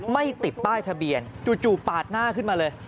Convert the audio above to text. ไม่ติดป้ายทะเบียนจู่ปาดหน้าขึ้นมาเลย